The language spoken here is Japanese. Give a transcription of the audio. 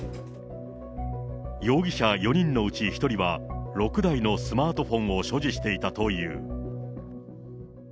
容疑者４人のうち１人は、６台のスマートフォンを所持していたという。